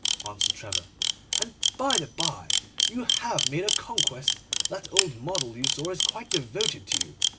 answered Trevor; 'and, by the bye, you have made a conquest. That old model you saw is quite devoted to you.